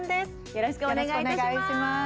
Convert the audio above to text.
よろしくお願いします。